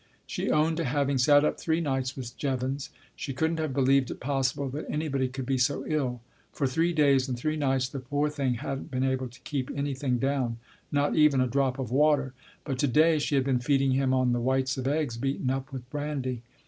She owned to having sat up three nights with Jevons. She couldn't have believed it possible that anybody could be so ill. For three days and three nights the poor thing hadn't been able to keep anything down not even a drop of water. But to day she had been feeding him on the whites of eggs beaten up with brandy.